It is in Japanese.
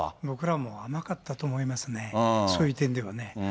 僕らも甘かったと思いますね、そういう点ではね。